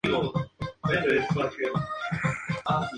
Se casó tres veces, pero no tuvo hijos.